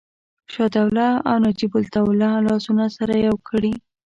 شجاع الدوله او نجیب الدوله لاسونه سره یو کړي.